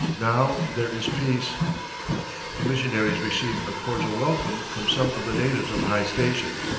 Now there is peace." The missionaries received a cordial welcome from some of the natives of high station.